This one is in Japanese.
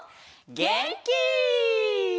げんき！